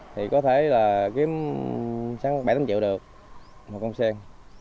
thì có thể kiếm bảy tám triệu được một con sen